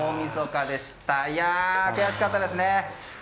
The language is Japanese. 悔しかったですね。